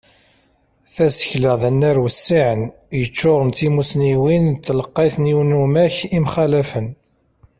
Tasekla d anar wissiɛen, yeččuren d timusniwin d telqayt n yinumak yemxalafen.